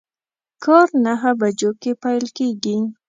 کار نهه بجو کی پیل کیږي